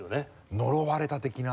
呪われた的な？